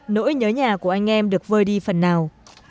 nỗi nhớ nhà của anh em được vơi đi phần nào